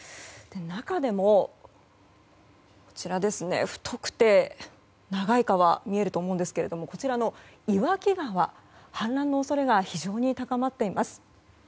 中でも、太くて長い川見えると思いますがこちらの岩木川が氾濫の恐れが非常に高まっています。